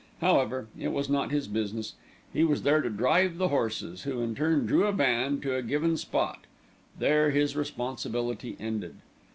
However, it was not his business. He was there to drive the horses, who in turn drew a van to a given spot; there his responsibility ended.